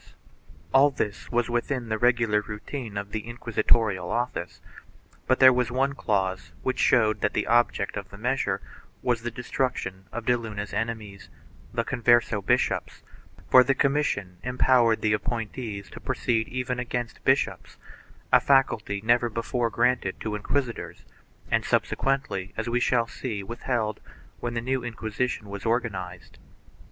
All this was within the regular routine of the inquisitorial office, but there was one clause which showed that the object of the measure was the destruction of de Luna's enemies, the Converse bishops, for the commission empowered the appointees to proceed even against bishops — a faculty never before granted to inquisitors and subsequently, as we shall see, withheld when the new Inqui sition was organized.